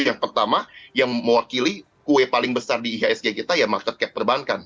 yang pertama yang mewakili kue paling besar di ihsg kita ya market cap perbankan